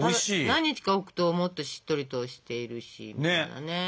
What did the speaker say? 何日か置くともっとしっとりとしているし。